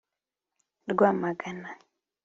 Rwamagana